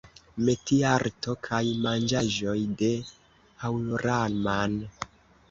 Metiarto kaj manĝaĵoj de Haŭraman